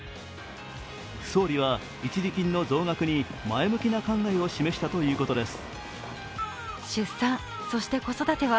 総理は一時金の増額に前向きな考えを示したということです。